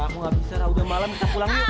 aku gak bisa ra udah malam kita pulang yuk